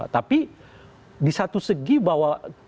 tapi di satu segi bahwa